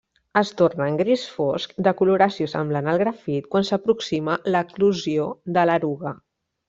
Es tornen gris fosc, de coloració semblant al grafit, quan s'aproxima l'eclosió de l'eruga.